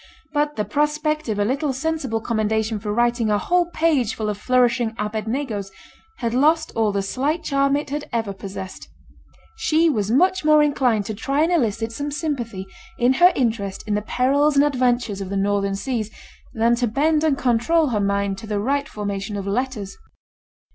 But the prospect of a little sensible commendation for writing a whole page full of flourishing 'Abednegos,' had lost all the slight charm it had ever possessed. She was much more inclined to try and elicit some sympathy in her interest in the perils and adventures of the northern seas, than to bend and control her mind to the right formation of letters.